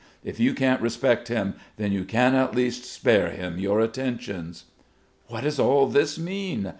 If you can't respect him, then you can at least spare him your attentions." "What does all this mean?"